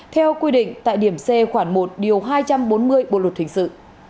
theo quy định tại điểm c khoảng một điều